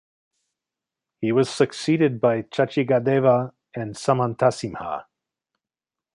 He was succeeded by Chachigadeva and Samantasimha.